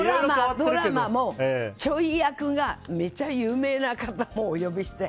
ドラマも、ちょい役がめちゃ有名な方をお呼びして。